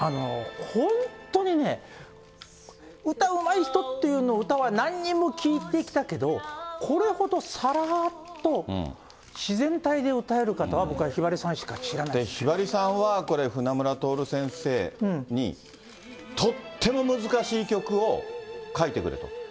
本当にね、歌うまい人っていう人の歌は何人も聴いてきたけど、これほどさらーっと、自然体で歌える方は、僕はひばりさんしか知ひばりさんはこれ、船村とおる先生に、とっても難しい曲を書いてくれと。